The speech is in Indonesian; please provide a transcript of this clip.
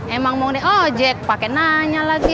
emang mau di ojek pake nanya lagi